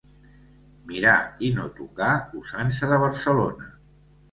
Mirar i no tocar, usança de Barcelona.